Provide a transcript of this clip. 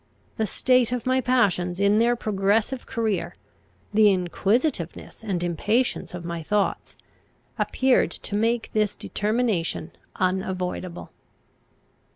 The state of my passions in their progressive career, the inquisitiveness and impatience of my thoughts, appeared to make this determination unavoidable.